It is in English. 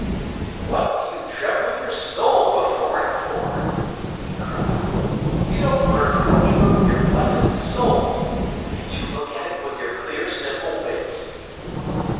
"What do you tremble your soul before it for?" he cried. "You don't learn algebra with your blessed soul. Can't you look at it with your clear simple wits?"